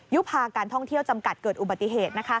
ยุภาการท่องเที่ยวจำกัดเกิดอุบัติเหตุ